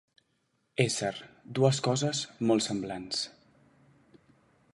Ésser, dues coses, molt semblants.